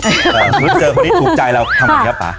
สมมุติเจอคนนี้ถูกใจเราทำไมครับป่า